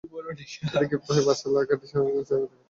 এতে ক্ষিপ্ত হয়ে বাদশা খাঁ লাঠি দিয়ে শাহারুননেছার মাথায় আঘাত করেন।